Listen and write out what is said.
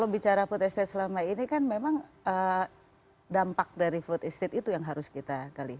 bicara put estate selama ini kan memang dampak dari put estate itu yang harus kita kali